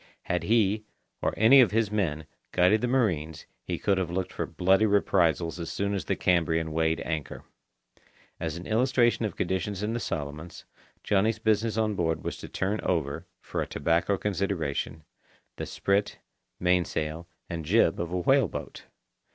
Had he, or any of his men, guided the marines, he could have looked for bloody reprisals as soon as the Cambrian weighed anchor. As an illustration of conditions in the Solomons, Johnny's business on board was to turn over, for a tobacco consideration, the sprit, mainsail, and jib of a whale boat.